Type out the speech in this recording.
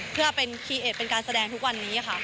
เพื่อเป็นคีย์เอสเป็นการแสดงทุกวันนี้ค่ะ